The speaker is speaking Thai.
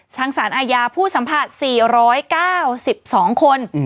สารอาญาผู้สัมผัส๔๙๒คน